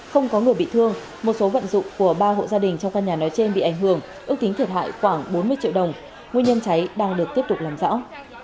không có người bị thương một số vận dụng của ba hộ gia đình trong căn nhà nói trên bị ảnh hưởng ước tính thiệt hại khoảng bốn mươi triệu đồng nguyên nhân cháy đang được tiếp tục làm rõ